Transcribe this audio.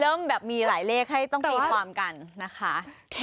เริ่มแบบมีหลายเลขให้ต้องตีความกันนะคะ